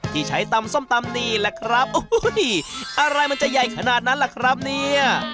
ที่ใช้ตำส้มตำนี่แหละครับโอ้โหอะไรมันจะใหญ่ขนาดนั้นล่ะครับเนี่ย